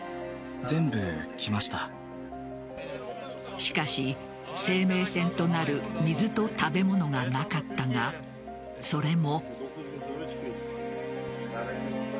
しかし、生命線となる水と食べ物がなかったがそれも。